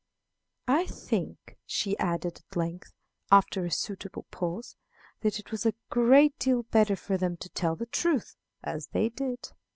"I think," she added at length, after a suitable pause, "that it was a great deal better for them to tell the truth, as they did."